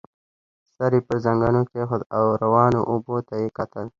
سر يې پر زنګنو کېښود او روانو اوبو ته يې کتل.